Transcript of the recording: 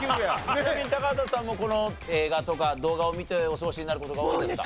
ちなみに高畑さんもこの映画とか動画を見てお過ごしになる事が多いですか？